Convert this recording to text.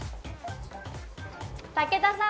武田さん！